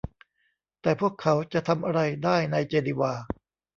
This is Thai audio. แต่พวกเขาจะทำอะไรได้ในเจนีวา